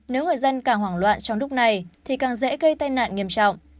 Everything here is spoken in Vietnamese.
nếu người dân càng hoảng loạn trong lúc này thì càng dễ gây tai nạn nghiêm trọng